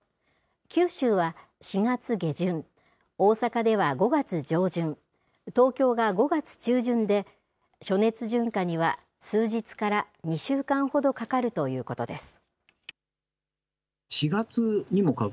九州は４月下旬、大阪では５月上旬、東京が５月中旬で、暑熱順化には数日から２週間ほどかかるということです。